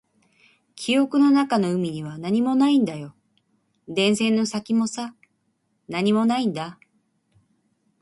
記憶の中の海には何もないんだよ。電線の先もさ、何もないんだ。